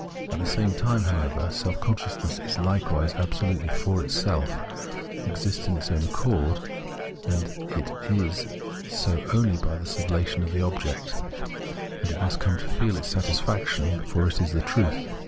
At the same time, however, self consciousness is Hkewise The Truth of Self certainty 173 absolutely for itself, exists on its own account ; and it is so only by sublation of tlie object ; and it must come to feel its satisfaction, for it is the truth.